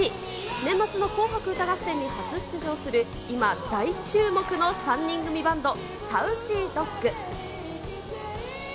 年末の紅白歌合戦に初出場する、今、大注目の３人組バンド、サウシードッグ。